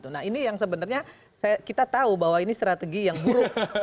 nah ini yang sebenarnya kita tahu bahwa ini strategi yang buruk